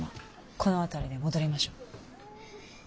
この辺りで戻りましょう。